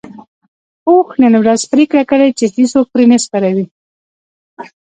اوښ نن ورځ پرېکړه کړې چې هيڅوک پرې نه سپروي.